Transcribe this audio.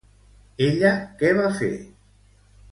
Ella què va fer?